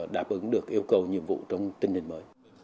đáp ứng được yêu cầu nhiệm vụ trong tình hình mới